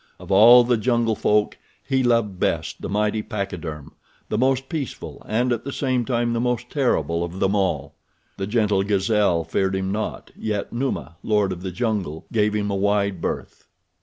Of all the jungle folk he loved best the mighty pachyderm—the most peaceful and at the same time the most terrible of them all. The gentle gazelle feared him not, yet Numa, lord of the jungle, gave him a wide berth.